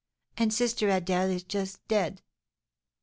And sister Adèle is just dead!"